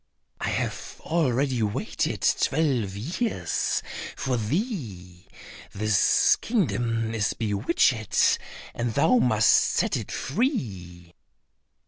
I have already waited twelve years for thee; this kingdom is bewitched, and thou must set it free."